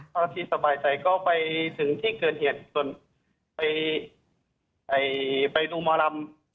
เท่าที่สบายใจก็ไปถึงที่เกิดเหตุส่วนไปดูหมอลำ